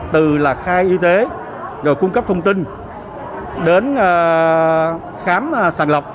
từ là khai y tế rồi cung cấp thông tin đến khám sàn lọc